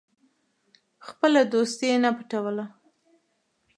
خپله دوستي یې نه پټوله.